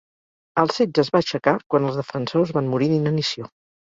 El setge es va aixecar quan els defensors van morir d'inanició.